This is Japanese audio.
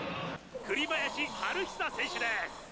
「栗林晴久選手です！」。